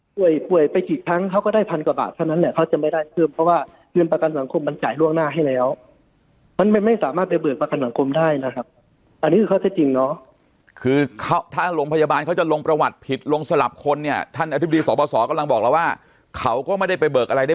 ป่วยป่วยไปกี่ครั้งเขาก็ได้พันกว่าบาทเท่านั้นแหละเขาจะไม่ได้ขึ้นเพราะว่าเงินประกันสังคมมันจ่ายล่วงหน้าให้แล้วมันไม่สามารถไปเบิกประกันสังคมได้นะครับอันนี้คือข้อเท็จจริงเนาะคือเขาถ้าโรงพยาบาลเขาจะลงประวัติผิดลงสลับคนเนี่ยท่านอธิบดีสบสกำลังบอกแล้วว่าเขาก็ไม่ได้ไปเบิกอะไรได้